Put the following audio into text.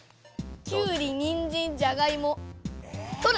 きゅうりにんじんじゃがいもとる！